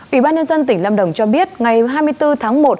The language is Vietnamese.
ủy ban nhân dân tỉnh lâm đồng cho biết ngày hai mươi bốn tháng một